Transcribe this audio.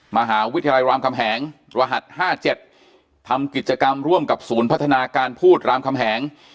มหาวิทยาลัยรามคำแหงรหัส๕๗ทำกิจกรรมร่วมกับศูนย์พัฒนาการพูดรามคำแหง